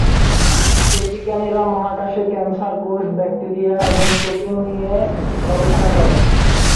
এই বিজ্ঞানীরা মহাকাশে ক্যান্সার কোষ, ব্যাকটেরিয়া এবং প্রোটিন নিয়ে গবেষণা করেন।